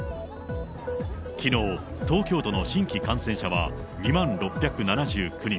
きのう、東京都の新規感染者は２万６７９人。